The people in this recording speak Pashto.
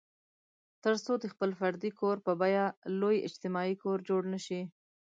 تر څو د خپل فردي کور په بیه لوی اجتماعي کور جوړ نه شي.